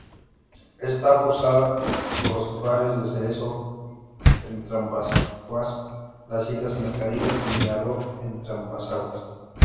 Está formada por los barrios de Cerezo, Entrambasaguas, Las Islas, Mercadillo y Mirador Entrambasaguas.